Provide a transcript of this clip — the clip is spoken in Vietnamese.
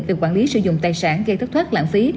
về quản lý sử dụng tài sản gây thất thoát lãng phí